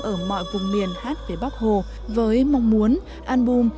ở mọi vùng miền hát về bác hồ với mong muốn album